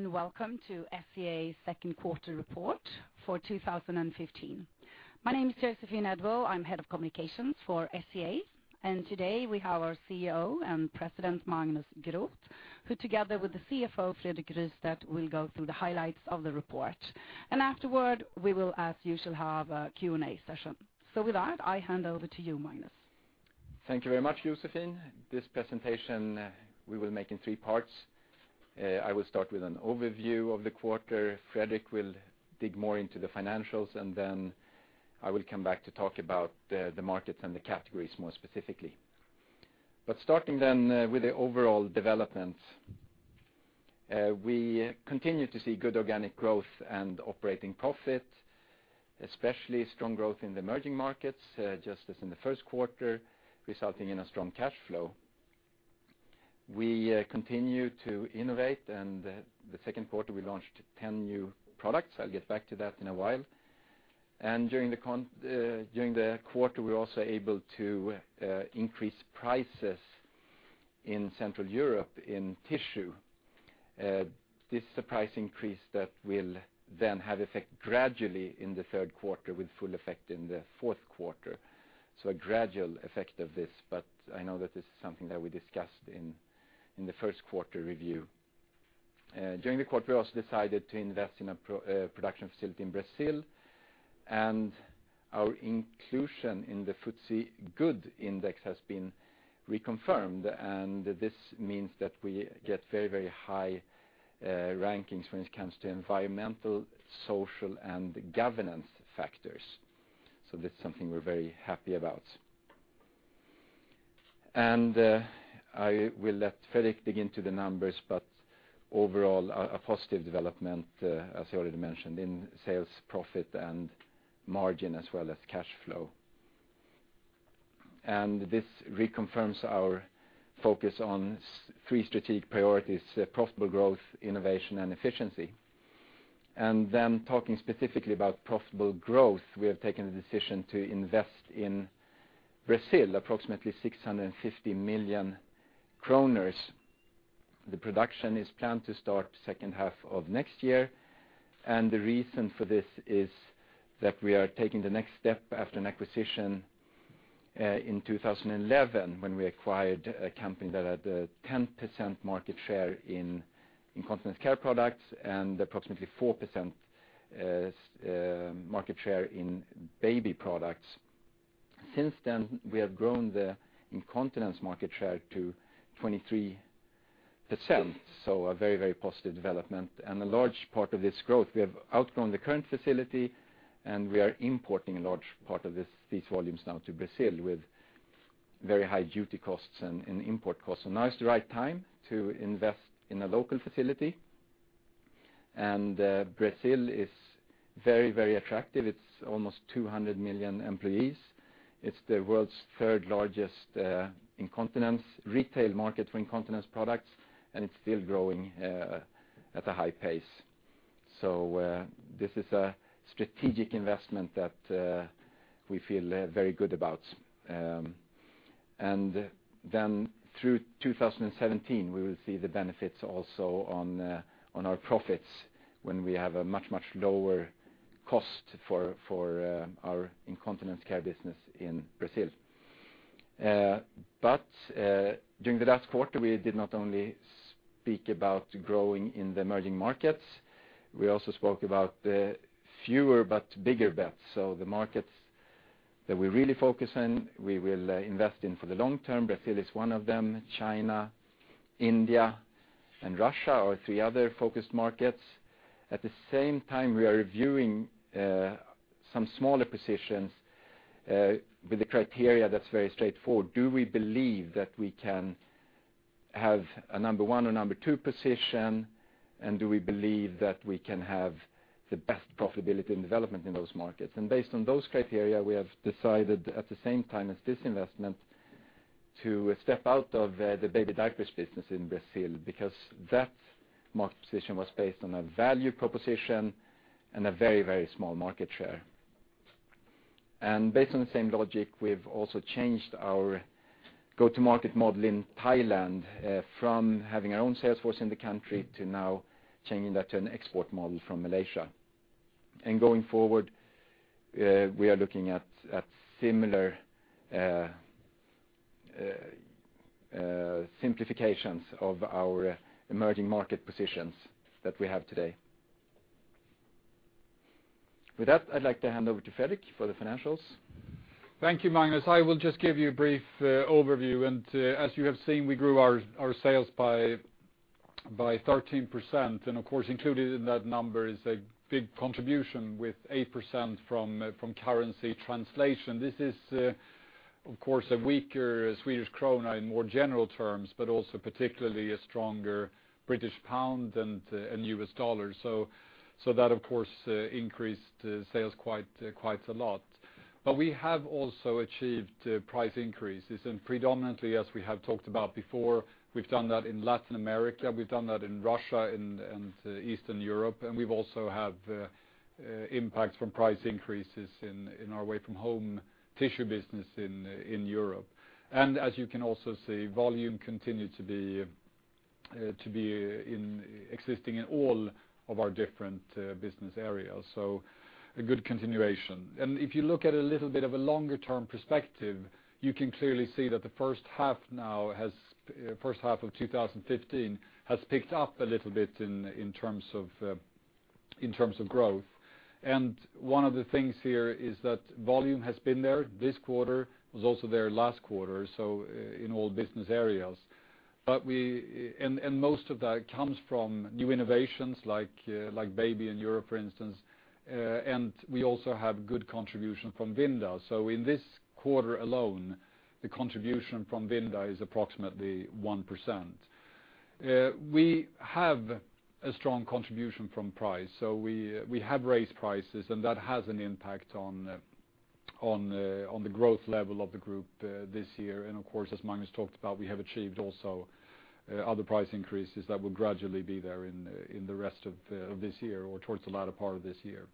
Hello. Welcome to SCA second quarter report for 2015. My name is Joséphine Edwall-Björklund. I'm Head of Communications for SCA, and today we have our CEO and President, Magnus Groth, who together with the CFO, Fredrik Rystedt, will go through the highlights of the report. Afterward, we will as usual have a Q&A session. With that, I hand over to you, Magnus. Thank you very much, Joséphine. This presentation we will make in three parts. I will start with an overview of the quarter. Fredrik will dig more into the financials. I will come back to talk about the markets and the categories more specifically. Starting with the overall development. We continue to see good organic growth and operating profit, especially strong growth in the emerging markets, just as in the first quarter, resulting in a strong cash flow. We continue to innovate and the second quarter, we launched 10 new products. I'll get back to that in a while. During the quarter, we were also able to increase prices in Central Europe in tissue. This is a price increase that will have effect gradually in the third quarter with full effect in the fourth quarter. A gradual effect of this, I know that this is something that we discussed in the first quarter review. During the quarter, we also decided to invest in a production facility in Brazil. Our inclusion in the FTSE4Good Index has been reconfirmed, and this means that we get very high rankings when it comes to environmental, social, and governance factors. That's something we're very happy about. I will let Fredrik dig into the numbers, overall, a positive development, as I already mentioned, in sales, profit, and margin, as well as cash flow. This reconfirms our focus on three strategic priorities, profitable growth, innovation, and efficiency. Talking specifically about profitable growth, we have taken the decision to invest in Brazil, approximately 650 million kronor. The production is planned to start the second half of next year. The reason for this is that we are taking the next step after an acquisition in 2011, when we acquired a company that had a 10% market share in incontinence care products and approximately 4% market share in baby products. Since then, we have grown the incontinence market share to 23%. A very positive development and a large part of this growth, we have outgrown the current facility, and we are importing a large part of these volumes now to Brazil with very high duty costs and import costs. Now is the right time to invest in a local facility. Brazil is very attractive. It's almost 200 million employees. It's the world's third-largest retail market for incontinence products, and it's still growing at a high pace. This is a strategic investment that we feel very good about. Then through 2017, we will see the benefits also on our profits when we have a much lower cost for our incontinence care business in Brazil. During the last quarter, we did not only speak about growing in the emerging markets, we also spoke about the fewer but bigger bets. The markets that we really focus on, we will invest in for the long term. Brazil is one of them, China, India, and Russia are three other focus markets. At the same time, we are reviewing some smaller positions with a criteria that is very straightforward. Do we believe that we can have a number 1 or number 2 position, and do we believe that we can have the best profitability and development in those markets? Based on those criteria, we have decided at the same time as this investment to step out of the baby diapers business in Brazil because that market position was based on a value proposition and a very small market share. Based on the same logic, we have also changed our go-to-market model in Thailand from having our own sales force in the country to now changing that to an export model from Malaysia. Going forward, we are looking at similar simplifications of our emerging market positions that we have today. With that, I would like to hand over to Fredrik Rystedt for the financials. Thank you, Magnus Groth. I will just give you a brief overview, and as you have seen, we grew our sales by 13%, and of course, included in that number is a big contribution with 8% from currency translation. This is, of course, a weaker Swedish krona in more general terms, but also particularly a stronger British pound and U.S. dollar. So that, of course, increased sales quite a lot. But we have also achieved price increases, and predominantly, as we have talked about before, we have done that in Latin America, we have done that in Russia and Eastern Europe, and we also have impacts from price increases in our away-from-home tissue business in Europe. As you can also see, volume continued to be consistent in all of our different business areas. So a good continuation. If you look at a little bit of a longer-term perspective, you can clearly see that the first half of 2015 has picked up a little bit in terms of growth. One of the things here is that volume has been there this quarter. It was also there last quarter, in all business areas. Most of that comes from new innovations like Libero in Europe, for instance, and we also have good contribution from Vinda. So in this quarter alone, the contribution from Vinda is approximately 1%. We have a strong contribution from price. So we have raised prices, and that has an impact on the growth level of the group this year. Of course, as Magnus Groth talked about, we have achieved also other price increases that will gradually be there in the rest of this year or towards the latter part of this year.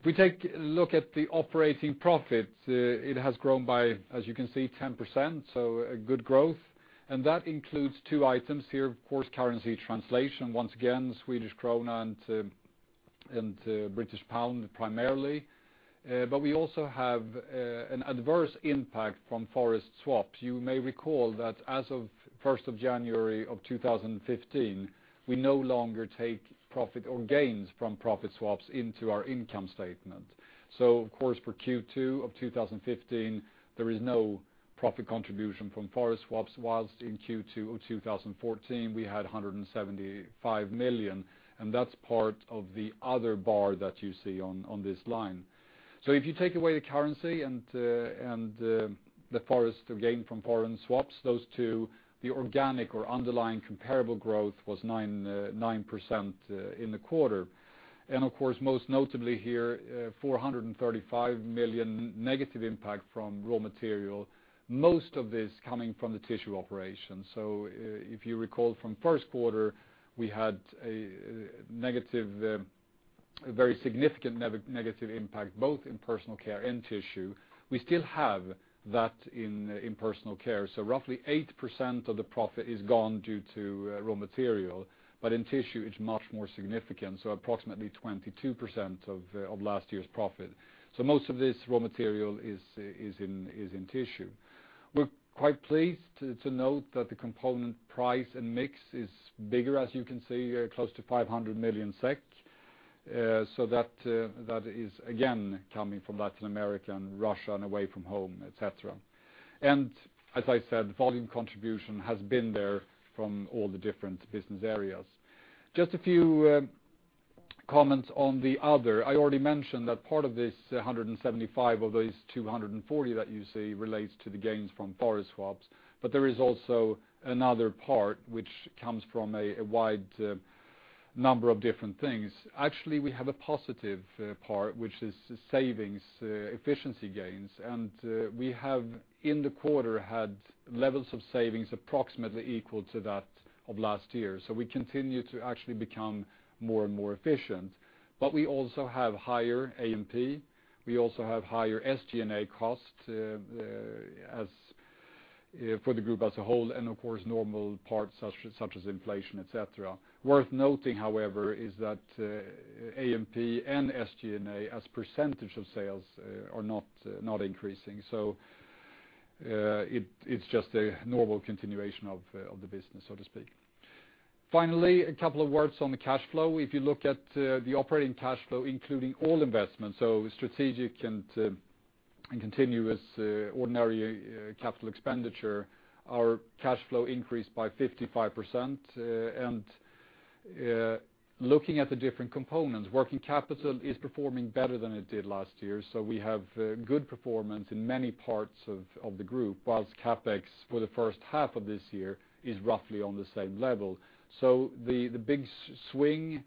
If we take a look at the operating profit, it has grown by, as you can see, 10%, so a good growth. That includes two items here. Of course, currency translation, once again, Swedish krona and British pound primarily. But we also have an adverse impact from forest swaps. You may recall that as of 1st of January of 2015, we no longer take profit or gains from profit swaps into our income statement. So of course, for Q2 of 2015, there is no profit contribution from forest swaps, whilst in Q2 of 2014, we had 175 million, and that's part of the other bar that you see on this line. So if you take away the currency and the gain from foreign swaps, those two, the organic or underlying comparable growth was 9% in the quarter. Of course, most notably here, 435 million negative impact from raw material, most of this coming from the Tissue operation. So if you recall from first quarter, we had a very significant negative impact both in Personal Care and Tissue. We still have that in Personal Care. So roughly 8% of the profit is gone due to raw material, but in Tissue, it's much more significant, so approximately 22% of last year's profit. So most of this raw material is in Tissue. We're quite pleased to note that the component price and mix is bigger, as you can see, close to 500 million SEK. So that is again coming from Latin America and Russia and Away From Home, et cetera. As I said, volume contribution has been there from all the different business areas. Just a few comments on the other. I already mentioned that part of this 175 of these 240 that you see relates to the gains from forest swaps. There is also another part which comes from a wide number of different things. Actually, we have a positive part, which is savings efficiency gains, and we have, in the quarter, had levels of savings approximately equal to that of last year. So we continue to actually become more and more efficient. We also have higher A&MP, we also have higher SG&A costs for the group as a whole and of course, normal parts such as inflation, et cetera. Worth noting, however, is that A&MP and SG&A as % of sales are not increasing. So it's just a normal continuation of the business, so to speak. Finally, a couple of words on the cash flow. If you look at the operating cash flow, including all investments, so strategic and continuous ordinary capital expenditure, our cash flow increased by 55%. Looking at the different components, working capital is performing better than it did last year. So we have good performance in many parts of the group, whilst CapEx for the first half of this year is roughly on the same level. So the big swing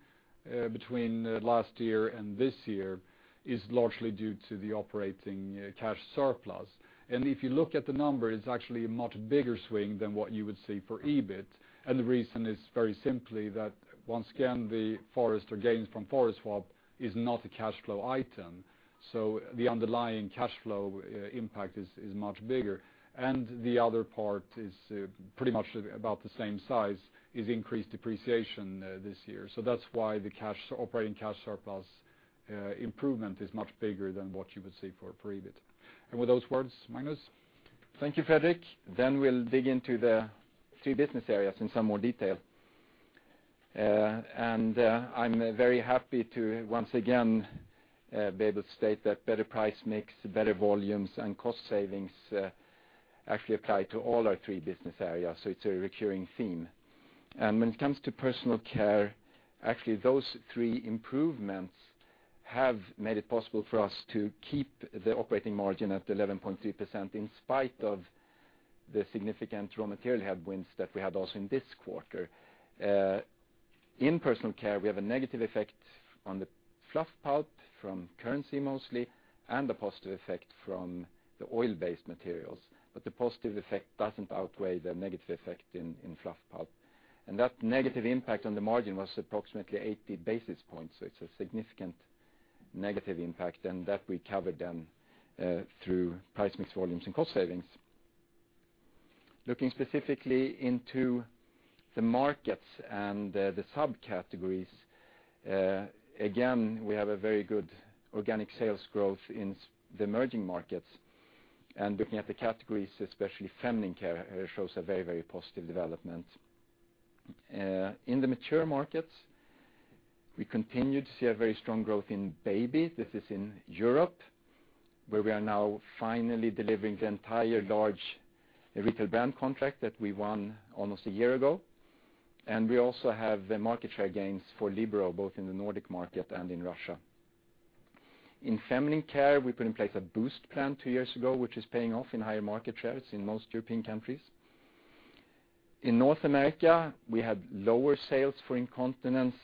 between last year and this year is largely due to the operating cash surplus. If you look at the number, it's actually a much bigger swing than what you would see for EBIT. The reason is very simply that, once again, the gains from forest swap is not a cash flow item. So the underlying cash flow impact is much bigger. The other part is pretty much about the same size, is increased depreciation this year. That's why the operating cash surplus improvement is much bigger than what you would see for EBIT. With those words, Magnus? Thank you, Fredrik. We'll dig into the three business areas in some more detail. I'm very happy to once again be able to state that better price mix, better volumes, and cost savings actually apply to all our three business areas. It's a recurring theme. When it comes to Personal Care, actually, those three improvements have made it possible for us to keep the operating margin at 11.3% in spite of the significant raw material headwinds that we had also in this quarter. In Personal Care, we have a negative effect on the fluff pulp from currency mostly, and a positive effect from the oil-based materials. The positive effect doesn't outweigh the negative effect in fluff pulp. That negative impact on the margin was approximately 80 basis points. It's a significant negative impact, and that we covered then through price mix, volumes, and cost savings. Looking specifically into the markets and the sub-categories, again, we have a very good organic sales growth in the emerging markets. Looking at the categories, especially feminine care shows a very positive development. In the mature markets, we continue to see a very strong growth in baby. This is in Europe, where we are now finally delivering the entire large retail brand contract that we won almost a year ago. We also have the market share gains for Libero, both in the Nordic market and in Russia. In feminine care, we put in place a boost plan two years ago, which is paying off in higher market shares in most European countries. In North America, we had lower sales for incontinence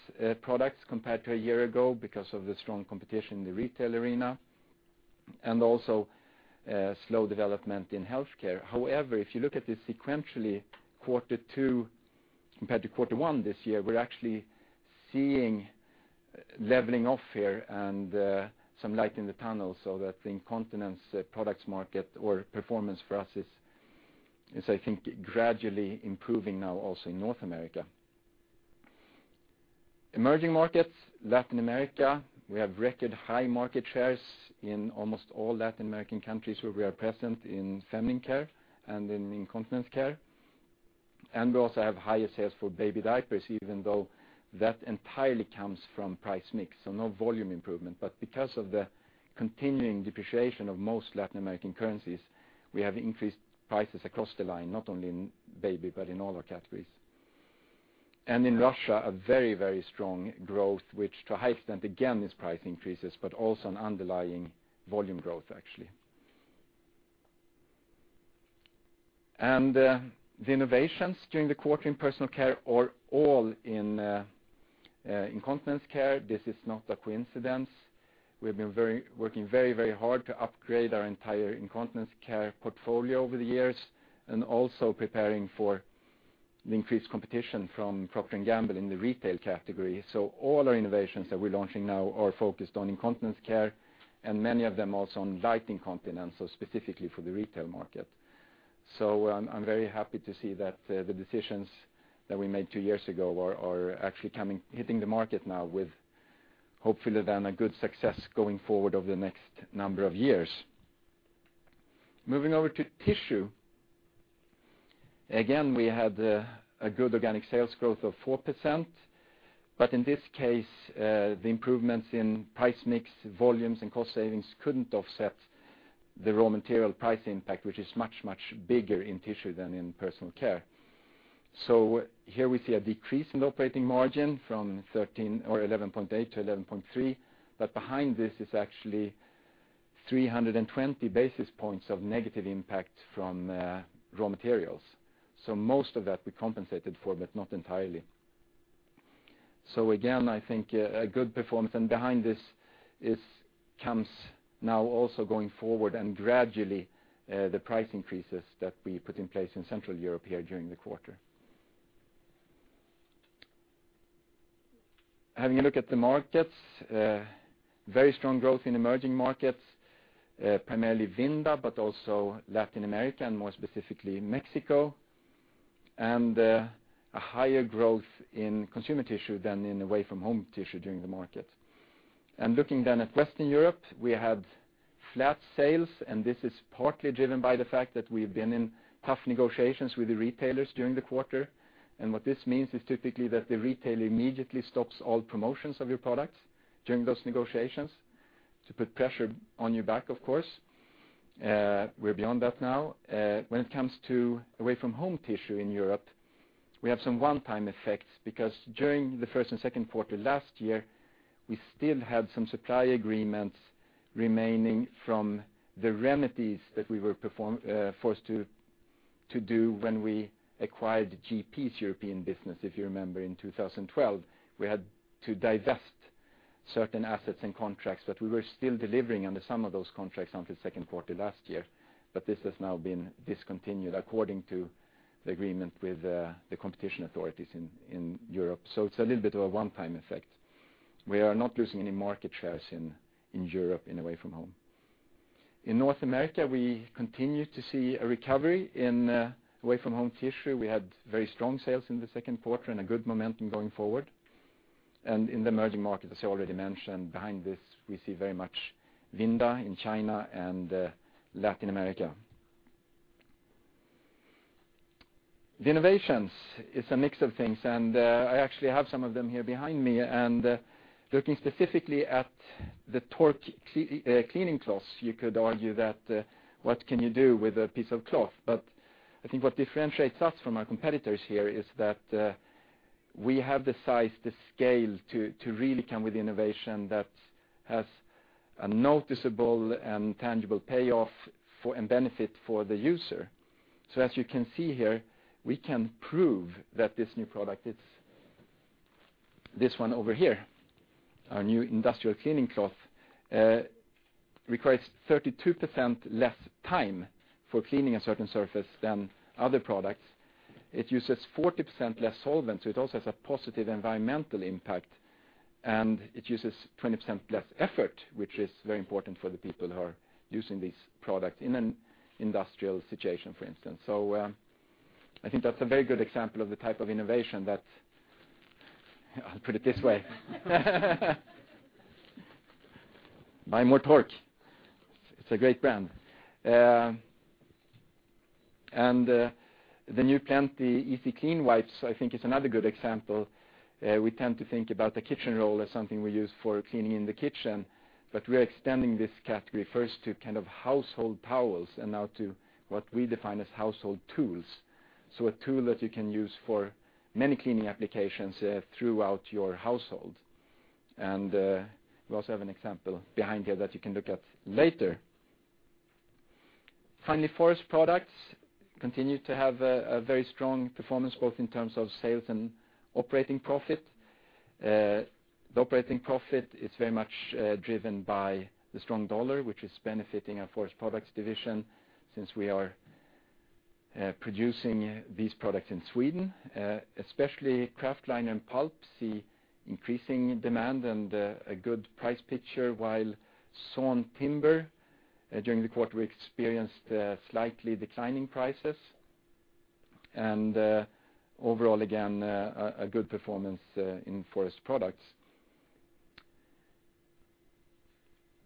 products compared to a year ago because of the strong competition in the retail arena, and also slow development in healthcare. However, if you look at this sequentially, quarter two compared to quarter one this year, we're actually seeing leveling off here and some light in the tunnel so that the incontinence products market or performance for us is, I think, gradually improving now also in North America. Emerging markets, Latin America, we have record high market shares in almost all Latin American countries where we are present in feminine care and in incontinence care. We also have higher sales for baby diapers, even though that entirely comes from price mix, so no volume improvement. Because of the continuing depreciation of most Latin American currencies, we have increased prices across the line, not only in baby but in all our categories. In Russia, a very strong growth, which to a high extent, again, is price increases, but also an underlying volume growth actually. The innovations during the quarter in Personal Care are all in incontinence care. This is not a coincidence. We've been working very hard to upgrade our entire incontinence care portfolio over the years, also preparing for the increased competition from Procter & Gamble in the retail category. All our innovations that we're launching now are focused on incontinence care, many of them also on light incontinence, specifically for the retail market. I'm very happy to see that the decisions that we made two years ago are actually hitting the market now with, hopefully, good success going forward over the next number of years. Moving over to tissue. Again, we had a good organic sales growth of 4%, but in this case, the improvements in price mix, volumes, and cost savings couldn't offset the raw material price impact, which is much bigger in tissue than in Personal Care. Here we see a decrease in operating margin from 13 or 11.8 to 11.3, but behind this is actually 320 basis points of negative impact from raw materials. Most of that we compensated for, but not entirely. Again, I think a good performance, and behind this comes now also going forward and gradually the price increases that we put in place in Central Europe here during the quarter. Having a look at the markets, very strong growth in emerging markets, primarily Vinda, also Latin America, and more specifically Mexico, and a higher growth in consumer tissue than in away-from-home tissue during the market. Looking then at Western Europe, we had flat sales, this is partly driven by the fact that we've been in tough negotiations with the retailers during the quarter. What this means is typically that the retailer immediately stops all promotions of your products during those negotiations to put pressure on your back, of course. We're beyond that now. When it comes to away-from-home tissue in Europe, we have some one-time effects, because during the first and second quarter last year, we still had some supply agreements remaining from the remedies that we were forced to do when we acquired GP's European business. If you remember, in 2012, we had to divest certain assets and contracts, we were still delivering under some of those contracts until the second quarter last year. This has now been discontinued according to the agreement with the competition authorities in Europe. It's a little bit of a one-time effect. We are not losing any market shares in Europe in away-from-home. In North America, we continue to see a recovery in away-from-home tissue. We had very strong sales in the second quarter and a good momentum going forward. In the emerging markets, as I already mentioned, behind this, we see very much Vinda in China and Latin America. The innovations is a mix of things, I actually have some of them here behind me. Looking specifically at the Tork cleaning cloths, you could argue that what can you do with a piece of cloth? I think what differentiates us from our competitors here is that we have the size, the scale to really come with innovation that has a noticeable and tangible payoff and benefit for the user. As you can see here, we can prove that this new product is this one over here, our new industrial cleaning cloth. Requires 32% less time for cleaning a certain surface than other products. It uses 40% less solvent, so it also has a positive environmental impact, and it uses 20% less effort, which is very important for the people who are using this product in an industrial situation, for instance. I think that's a very good example of the type of innovation that. I'll put it this way. Buy more TORK. It's a great brand. The new Plenty Easy Clean Wipes, I think is another good example. We tend to think about the kitchen roll as something we use for cleaning in the kitchen, but we are extending this category first to household towels and now to what we define as household tools. A tool that you can use for many cleaning applications throughout your household. We also have an example behind here that you can look at later. Finally, Forest Products continue to have a very strong performance, both in terms of sales and operating profit. The operating profit is very much driven by the strong USD, which is benefiting our Forest Products division since we are producing these products in Sweden. Especially kraftliner and pulp see increasing demand and a good price picture, while sawn timber, during the quarter, we experienced slightly declining prices. Overall, again, a good performance in Forest Products.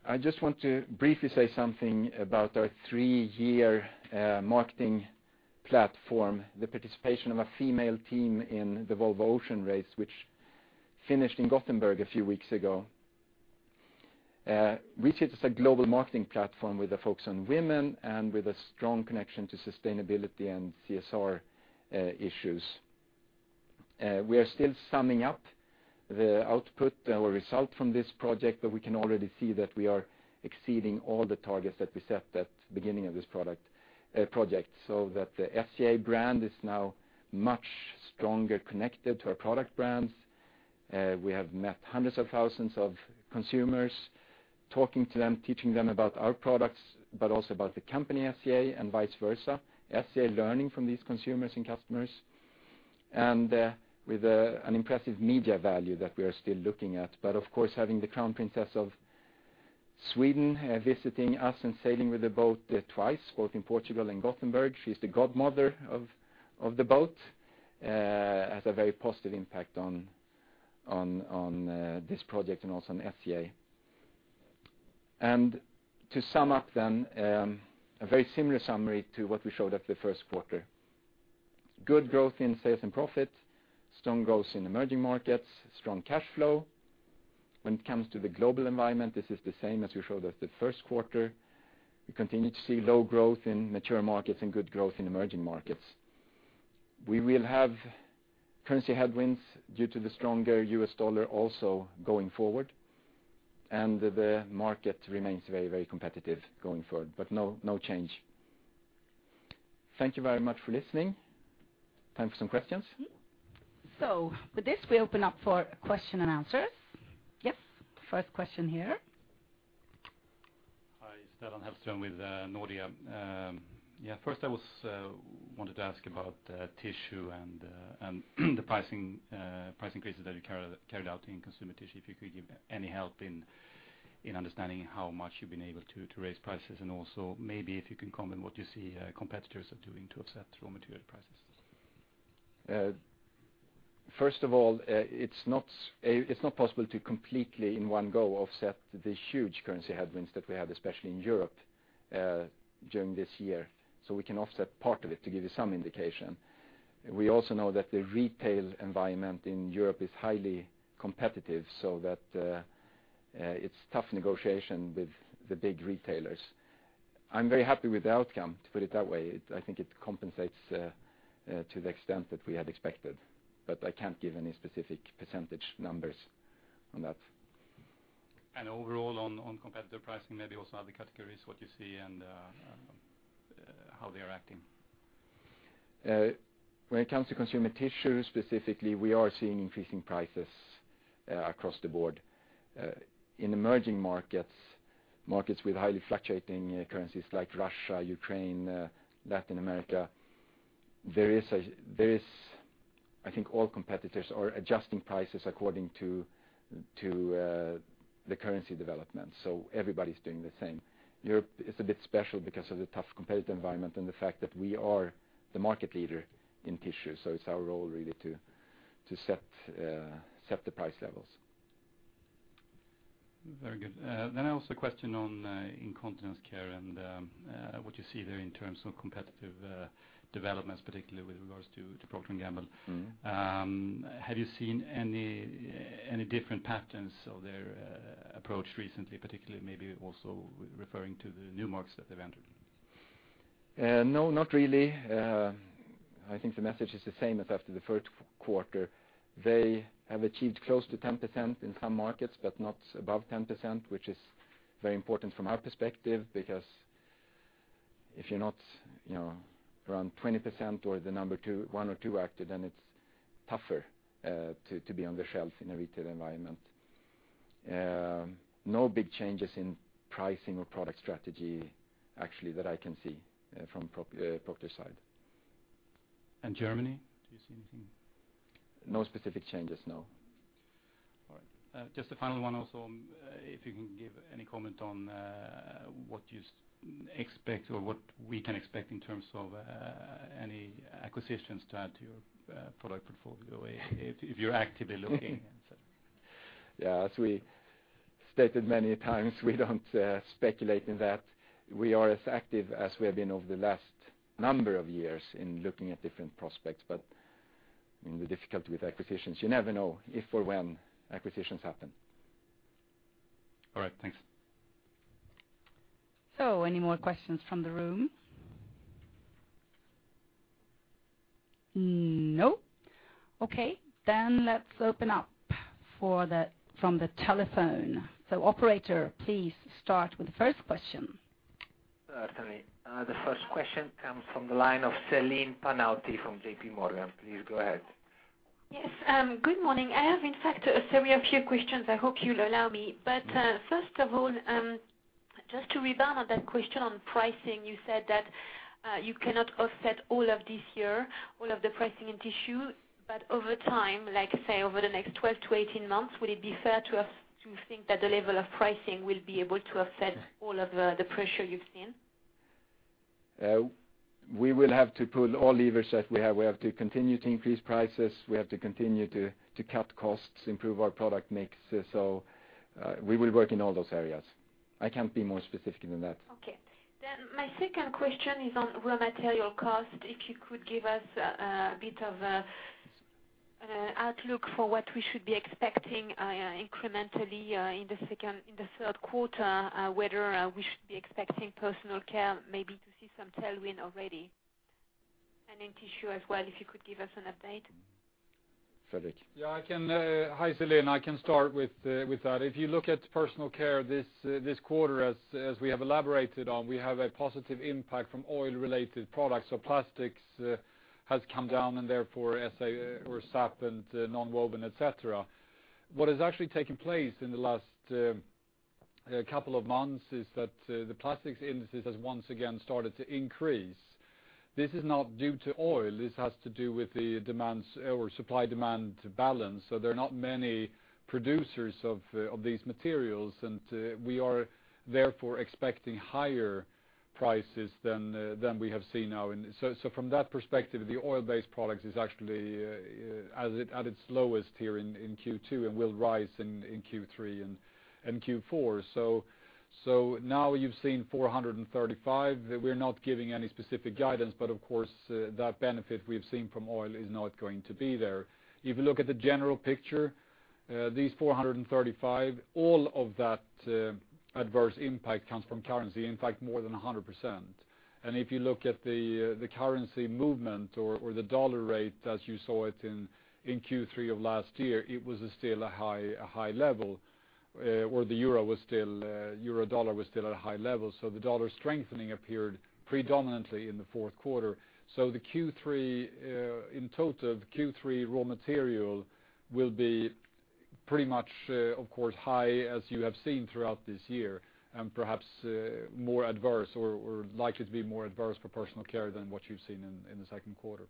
I just want to briefly say something about our three-year marketing platform, the participation of a female team in the Volvo Ocean Race, which finished in Gothenburg a few weeks ago, which is a global marketing platform with a focus on women and with a strong connection to sustainability and CSR issues. We are still summing up the output or result from this project, but we can already see that we are exceeding all the targets that we set at the beginning of this project, so that the SCA brand is now much stronger connected to our product brands. We have met hundreds of thousands of consumers, talking to them, teaching them about our products, also about the company SCA and vice versa, SCA learning from these consumers and customers, and with an impressive media value that we are still looking at. Of course, having the Crown Princess of Sweden visiting us and sailing with the boat twice, both in Portugal and Gothenburg, she's the godmother of the boat, has a very positive impact on this project and also on SCA. To sum up then, a very similar summary to what we showed at the first quarter. Good growth in sales and profit, strong growth in emerging markets, strong cash flow. When it comes to the global environment, this is the same as we showed at the first quarter. We continue to see low growth in mature markets and good growth in emerging markets. We will have currency headwinds due to the stronger U.S. dollar also going forward. The market remains very competitive going forward, no change. Thank you very much for listening. Time for some questions. With this, we open up for question and answers. Yep. First question here. Hi. Stellan Hafstrom with Nordea. I wanted to ask about tissue and the price increases that you carried out in consumer tissue. If you could give any help in understanding how much you've been able to raise prices, and also maybe if you can comment what you see competitors are doing to offset raw material prices. It's not possible to completely, in one go, offset the huge currency headwinds that we had, especially in Europe, during this year. We can offset part of it to give you some indication. We also know that the retail environment in Europe is highly competitive, that it's tough negotiation with the big retailers. I'm very happy with the outcome, to put it that way. I think it compensates to the extent that we had expected. I can't give any specific percentage numbers on that. Overall on competitor pricing, maybe also other categories, what you see and how they're acting? When it comes to consumer tissue, specifically, we are seeing increasing prices across the board. In emerging markets with highly fluctuating currencies like Russia, Ukraine, Latin America, I think all competitors are adjusting prices according to the currency development. Everybody's doing the same. Europe is a bit special because of the tough competitive environment and the fact that we are the market leader in tissue, so it's our role really to set the price levels. Very good. I also question on incontinence care and what you see there in terms of competitive developments, particularly with regards to Procter & Gamble. Have you seen any different patterns of their approach recently, particularly maybe also referring to the new markets that they've entered? No, not really. I think the message is the same as after the first quarter. They have achieved close to 10% in some markets, but not above 10%, which is very important from our perspective because if you're not around 20% or the number 1 or 2 actor, then it's tougher to be on the shelf in a retail environment. No big changes in pricing or product strategy, actually, that I can see from Procter's side. Germany? Do you see anything? No specific changes, no. All right. Just a final one also, if you can give any comment on what you expect or what we can expect in terms of any acquisitions to add to your product portfolio if you're actively looking. Yeah. As we stated many times, we don't speculate in that. We are as active as we have been over the last number of years in looking at different prospects, but the difficulty with acquisitions, you never know if or when acquisitions happen. All right. Thanks. Any more questions from the room? No. Let's open up from the telephone. Operator, please start with the first question. Certainly. The first question comes from the line of Celine Pannuti from JPMorgan. Please go ahead. Yes. Good morning. I have in fact, several a few questions. I hope you'll allow me. First of all, just to rebound on that question on pricing, you said that you cannot offset all of this year, all of the pricing in tissue, but over time, say over the next 12 to 18 months, would it be fair to think that the level of pricing will be able to offset all of the pressure you've seen? We will have to pull all levers that we have. We have to continue to increase prices. We have to continue to cut costs, improve our product mix. We will work in all those areas. I can't be more specific than that. Okay. My second question is on raw material cost. If you could give us a bit of an outlook for what we should be expecting incrementally in the third quarter, whether we should be expecting Personal Care, maybe to see some tailwind already. In tissue as well, if you could give us an update. Fredrik. Yeah. Hi, Celine. I can start with that. If you look at Personal Care this quarter, as we have elaborated on, we have a positive impact from oil-related products. Plastics has come down and therefore SAP and nonwoven, et cetera. What has actually taken place in the last couple of months is that the plastics indices has once again started to increase. This is not due to oil. This has to do with the supply-demand balance. There are not many producers of these materials, we are therefore expecting higher prices than we have seen now. From that perspective, the oil-based product is actually at its lowest here in Q2 and will rise in Q3 and Q4. Now you've seen 435. We're not giving any specific guidance, of course, that benefit we've seen from oil is not going to be there. If you look at the general picture, these 435, all of that adverse impact comes from currency, in fact, more than 100%. If you look at the currency movement or the dollar rate as you saw it in Q3 of last year, it was still a high level, or the euro-dollar was still at a high level. The dollar strengthening appeared predominantly in the fourth quarter. In total, the Q3 raw material will be pretty much, of course, high as you have seen throughout this year, and perhaps more adverse or likely to be more adverse for Personal Care than what you've seen in the second quarter.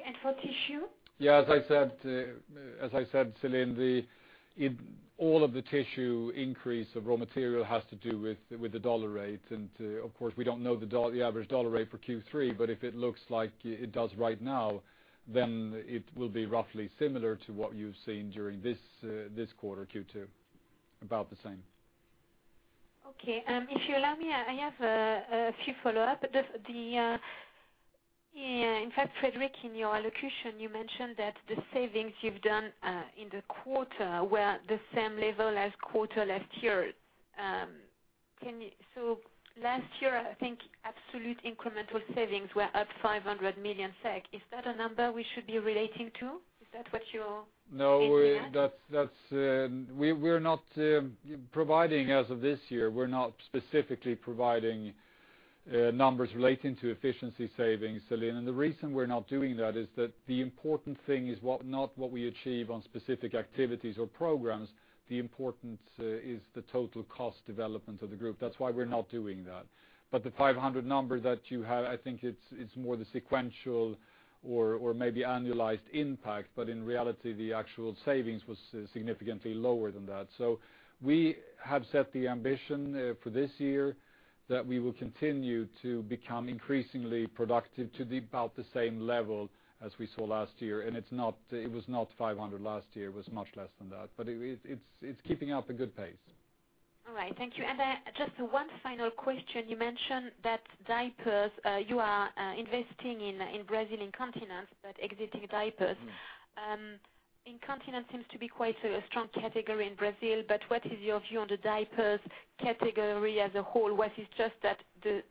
Okay, for tissue? Yeah, as I said, Celine, all of the tissue increase of raw material has to do with the dollar rate. Of course, we don't know the average dollar rate for Q3, but if it looks like it does right now, then it will be roughly similar to what you've seen during this quarter, Q2. About the same. Okay. If you allow me, I have a few follow-up. In fact, Fredrik, in your allocation, you mentioned that the savings you've done in the quarter were the same level as quarter last year. Last year, I think absolute incremental savings were up 500 million SEK. Is that a number we should be relating to? Is that what you're hinting at? No. As of this year, we're not specifically providing numbers relating to efficiency savings, Celine. The reason we're not doing that is that the important thing is not what we achieve on specific activities or programs. The importance is the total cost development of the group. That's why we're not doing that. But the 500 number that you have, I think it's more the sequential or maybe annualized impact, but in reality, the actual savings was significantly lower than that. We have set the ambition for this year that we will continue to become increasingly productive to about the same level as we saw last year. It was not 500 last year, it was much less than that. But it's keeping up a good pace. All right. Thank you. Just one final question. You mentioned that diapers, you are investing in Brazilian incontinence, but exiting diapers. Incontinence seems to be quite a strong category in Brazil, but what is your view on the diaper category as a whole? What is just that the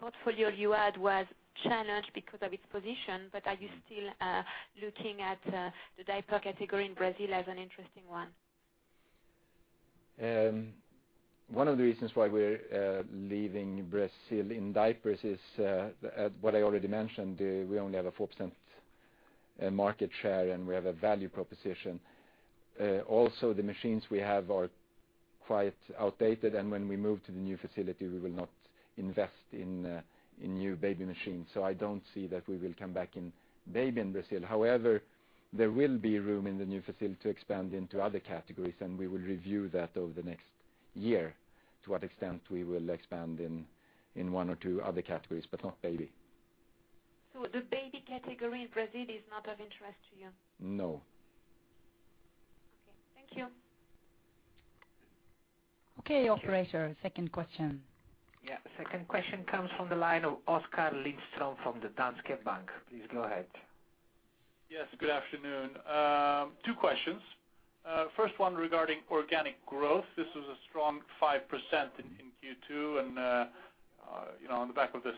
portfolio you had was challenged because of its position, but are you still looking at the diaper category in Brazil as an interesting one? One of the reasons why we're leaving Brazil in diapers is what I already mentioned. We only have a 4% market share, and we have a value proposition. Also, the machines we have are quite outdated, and when we move to the new facility, we will not invest in new baby machines. I don't see that we will come back in baby in Brazil. However, there will be room in the new facility to expand into other categories, and we will review that over the next year, to what extent we will expand in one or two other categories, but not baby. The baby category in Brazil is not of interest to you? No. Okay. Thank you. Okay, operator, second question. Yeah, second question comes from the line of Oskar Lindström from the Danske Bank. Please go ahead. Yes, good afternoon. Two questions. First one regarding organic growth. This was a strong 5% in Q2 and on the back of the 6%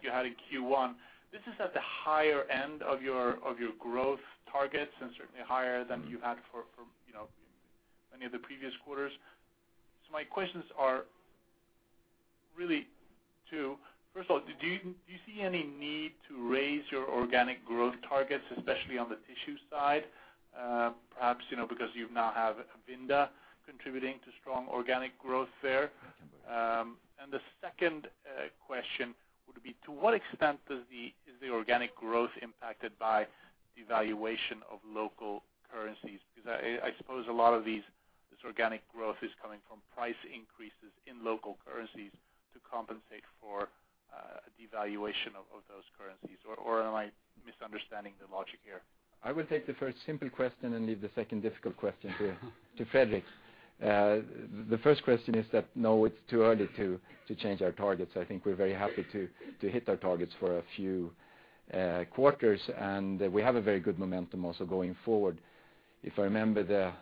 you had in Q1. This is at the higher end of your growth targets and certainly higher than you had for any of the previous quarters. My questions are really two. First of all, do you see any need to raise your organic growth targets, especially on the tissue side? Perhaps, because you now have Vinda contributing to strong organic growth there. The second question would be, to what extent is the organic growth impacted by the valuation of local currencies? I suppose a lot of this organic growth is coming from price increases in local currencies to compensate for devaluation of those currencies. Am I misunderstanding the logic here? I will take the first simple question and leave the second difficult question to Fredrik. The first question is that, no, it's too early to change our targets. I think we're very happy to hit our targets for a few quarters, and we have a very good momentum also going forward. If I remember the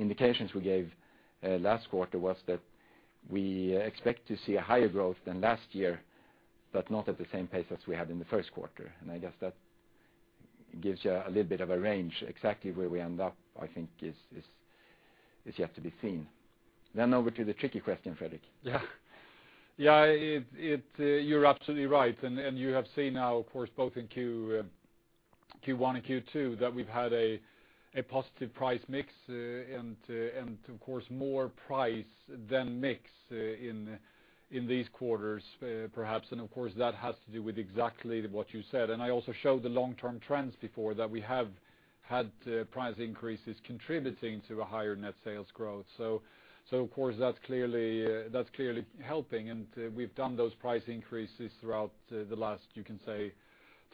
indications we gave last quarter was that we expect to see a higher growth than last year, but not at the same pace as we had in the first quarter. I guess that gives you a little bit of a range. Exactly where we end up, I think is yet to be seen. Over to the tricky question, Fredrik. Yeah. You're absolutely right. You have seen now, of course, both in Q1 and Q2, that we've had a positive price mix and, of course, more price than mix in these quarters, perhaps. Of course, that has to do with exactly what you said. I also showed the long-term trends before that we have had price increases contributing to a higher net sales growth. Of course, that's clearly helping. We've done those price increases throughout the last, you can say,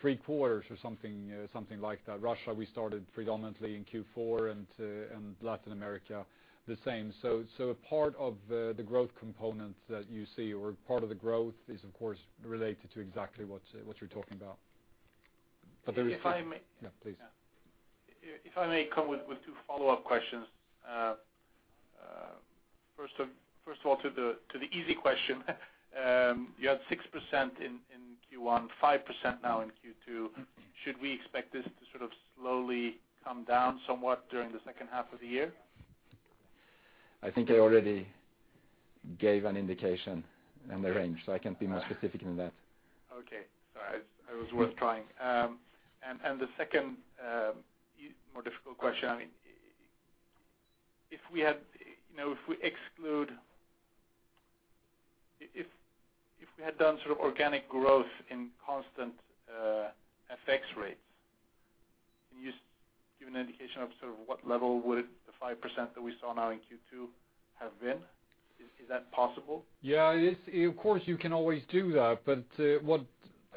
three quarters or something like that. Russia, we started predominantly in Q4 and Latin America, the same. A part of the growth component that you see or part of the growth is, of course, related to exactly what you're talking about. But there is If I may. Yeah, please. If I may come with two follow-up questions. First of all, to the easy question. You had 6% in Q1, 5% now in Q2. Should we expect this to sort of slowly come down somewhat during the second half of the year? I think I already gave an indication and a range, so I can't be more specific than that. It was worth trying. The second, more difficult question. If we had done sort of organic growth in constant FX rates, can you just give an indication of sort of what level would the 5% that we saw now in Q2 have been? Is that possible? Yeah, of course, you can always do that.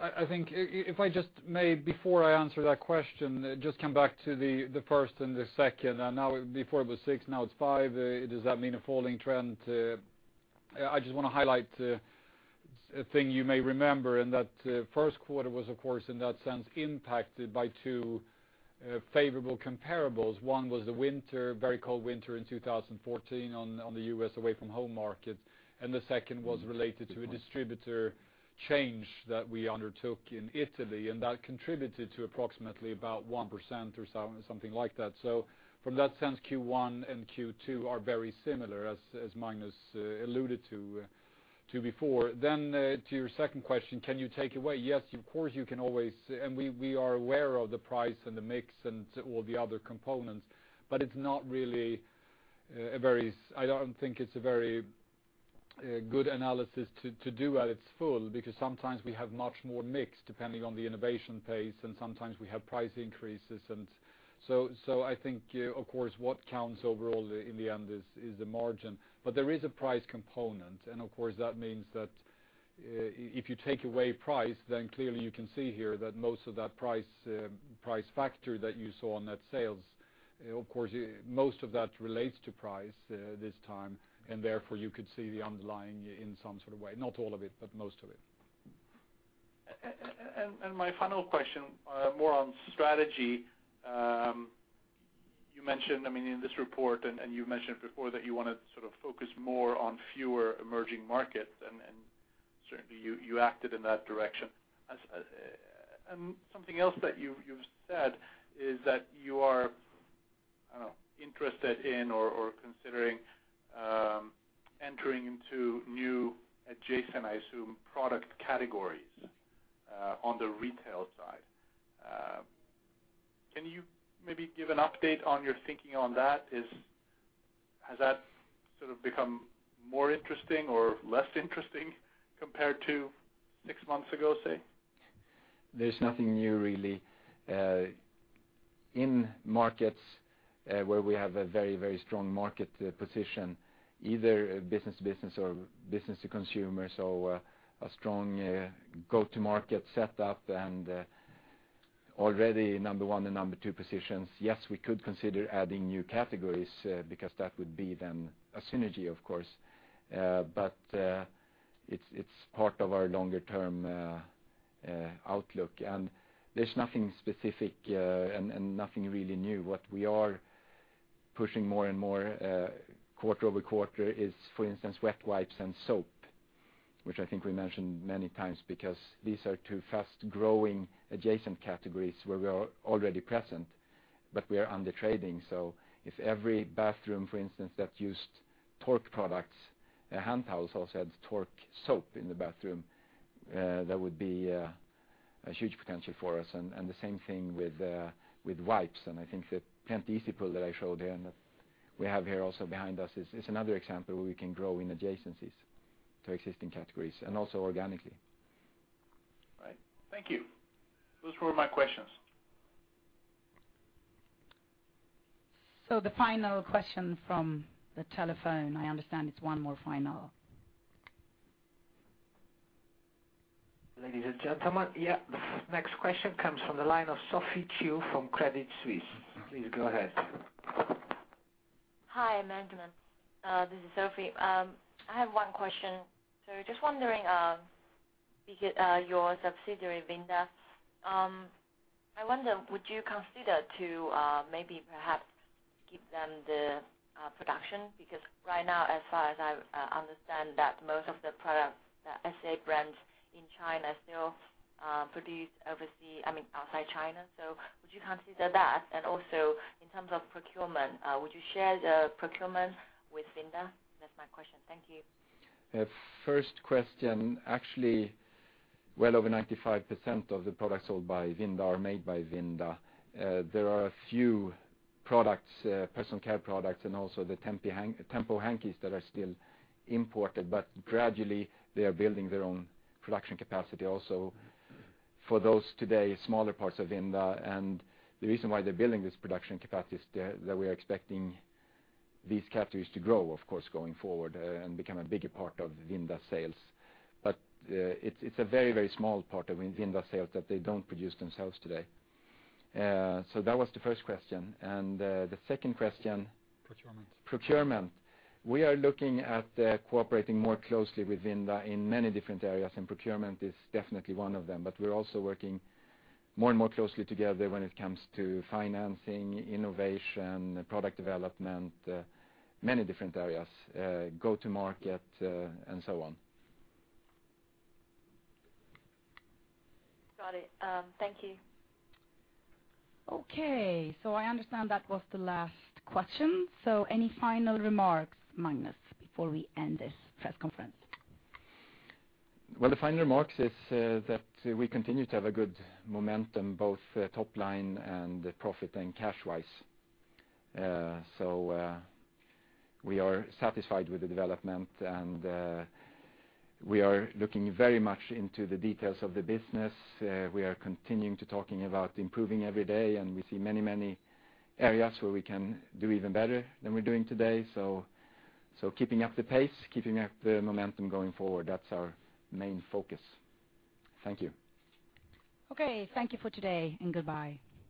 I think if I just may, before I answer that question, just come back to the first and the second, and now before it was six, now it's five. Does that mean a falling trend? I just want to highlight a thing you may remember, that first quarter was, of course, in that sense, impacted by two favorable comparables. One was the winter, very cold winter in 2014 on the U.S. away-from-home market, and the second was related to a distributor change that we undertook in Italy, and that contributed to approximately about 1% or something like that. From that sense, Q1 and Q2 are very similar, as Magnus alluded to before. To your second question, can you take away? Yes, of course, you can always, and we are aware of the price and the mix and all the other components, but I don't think it's a very good analysis to do at its full because sometimes we have much more mix depending on the innovation pace, and sometimes we have price increases. I think, of course, what counts overall in the end is the margin. There is a price component, and of course, that means that if you take away price, then clearly you can see here that most of that price factor that you saw on net sales, of course, most of that relates to price this time, and therefore you could see the underlying in some sort of way. Not all of it, but most of it. My final question, more on strategy. You mentioned, in this report and you've mentioned before that you want to focus more on fewer emerging markets, and certainly you acted in that direction. Something else that you've said is that you are interested in or considering entering into new adjacent, I assume, product categories on the retail side. Can you maybe give an update on your thinking on that? Has that become more interesting or less interesting compared to six months ago, say? There's nothing new, really. In markets where we have a very strong market position, either business to business or business to consumer, a strong go-to market setup and already number 1 and number 2 positions. Yes, we could consider adding new categories because that would be then a synergy of course. It's part of our longer-term outlook, and there's nothing specific and nothing really new. What we are pushing more and more quarter-over-quarter is, for instance, wet wipes and soap, which I think we mentioned many times because these are two fast-growing adjacent categories where we are already present, but we are under-trading. If every bathroom, for instance, that used Tork products, hand towels, also had Tork soap in the bathroom, that would be a huge potential for us, and the same thing with wipes. I think the Tempo EasyPull that I showed here, and that we have here also behind us is another example where we can grow in adjacencies to existing categories and also organically. Right. Thank you. Those were my questions. The final question from the telephone, I understand it's one more final. Ladies and gentlemen, the next question comes from the line of Sophie Qiu from Credit Suisse. Please go ahead. Hi, Magnus. This is Sophie. I have one question. Just wondering, your subsidiary, Vinda. I wonder, would you consider to maybe perhaps give them the production? Because right now, as far as I understand that most of the products, the SCA brands in China still produce overseas, I mean, outside China. Would you consider that? In terms of procurement, would you share the procurement with Vinda? That's my question. Thank you. First question, actually, well over 95% of the products sold by Vinda are made by Vinda. There are a few Personal Care products and also the Tempo hankies that are still imported, but gradually they are building their own production capacity also for those today, smaller parts of Vinda. The reason why they're building this production capacity is that we are expecting these categories to grow, of course, going forward and become a bigger part of Vinda sales. It's a very small part of Vinda sales that they don't produce themselves today. That was the first question. Procurement procurement. We are looking at cooperating more closely with Vinda in many different areas, procurement is definitely one of them. We're also working more and more closely together when it comes to financing, innovation, product development, many different areas, go to market, and so on. Got it. Thank you. Okay. I understand that was the last question. Any final remarks, Magnus, before we end this press conference? Well, the final remarks is that we continue to have a good momentum, both top line and profit and cash-wise. We are satisfied with the development, we are looking very much into the details of the business. We are continuing to talking about improving every day, we see many areas where we can do even better than we're doing today. Keeping up the pace, keeping up the momentum going forward, that's our main focus. Thank you. Okay. Thank you for today, and goodbye.